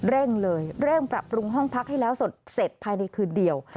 เร่งเลยเร่งปรับปรุงห้องพักให้แล้วเสร็จภายในคืนเดียว